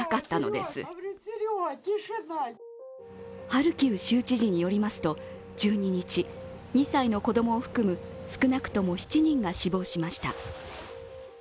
ハルキウ州知事によりますと１２日、２歳の子供を含む少なくとも７人が死亡しました。